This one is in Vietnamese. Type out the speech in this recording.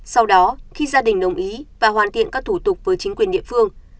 sau đó khi gia đình đồng ý và hoàn thiện các thủ tục với chính quyền địa phương